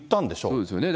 そうですよね。